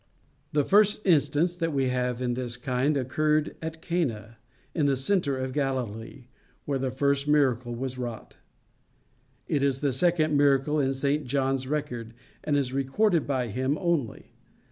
The first instance we have in this kind, occurred at Cana, in the centre of Galilee, where the first miracle was wrought. It is the second miracle in St John's record, and is recorded by him only.